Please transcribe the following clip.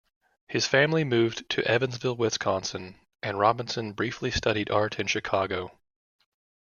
His family moved to Evansville, Wisconsin, and Robinson briefly studied art in Chicago.